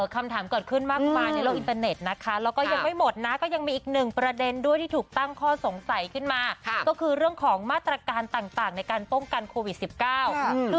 คำถามเกิดขึ้นมากมายในโลกอินเตอร์เน็ตนะคะแล้วก็ยังไม่หมดนะก็ยังมีอีกหนึ่งประเด็นด้วยที่ถูกตั้งข้อสงสัยขึ้นมาก็คือเรื่องของมาตรการต่างในการป้องกันโควิด๑๙ค่ะ